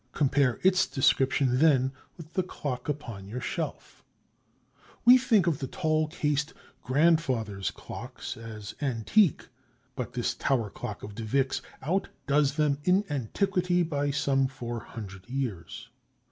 Compare its description, then, with the clock upon your shelf. We think of the tall cased "grandfather's clocks" as antique; but this tower clock of de Vick's outdoes them in antiquity by some four hundred years.